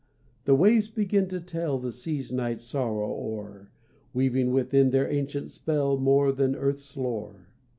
The waves begin to tell The sea's night sorrow o'er, Weaving within their ancient spell More Than earth's lore.